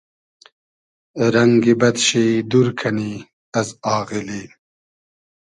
رئنگی بئد شی دور کئنی از آغیلی